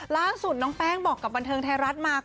ล่าสุดน้องแป้งบอกกับบันเทิงไทยรัฐมา